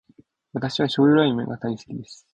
私は醤油ラーメンが大好きです。